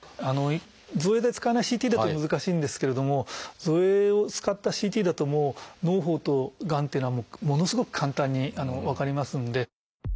造影剤を使わないＣＴだと難しいんですけれども造影を使ったＣＴだともうのう胞とがんっていうのはものすごく簡単に分かりますんで。